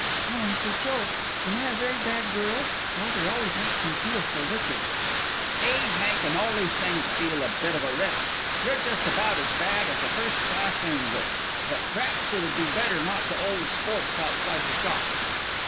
"Oh, Uncle Joe, am I a very bad girl? Father always makes me feel so wicked." "'E'd make an 'oly saint feel a bit of a rip. You're just about as bad as a first class angel; but p'raps it 'ud be better not to 'old sports outside the shop.